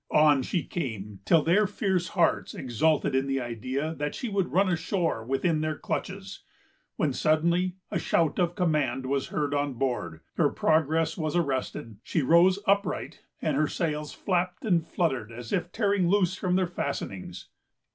On she came, till their fierce hearts exulted in the idea that she would run ashore within their clutches, when suddenly a shout of command was heard on board, her progress was arrested, she rose upright, and her sails flapped and fluttered as if tearing loose from their fastenings.